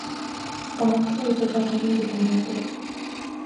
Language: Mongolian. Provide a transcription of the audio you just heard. Дарамтална гэдэг бол нэгэн зүйлийн гэмт хэрэг.